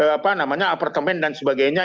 apa namanya apartemen dan sebagainya